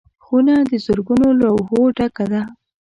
خونه د زرګونو لوحو ډکه ده.